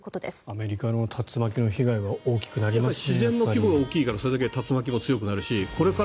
アメリカの竜巻の被害は大きくなりますね。